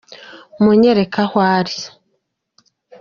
munyereke aho ari.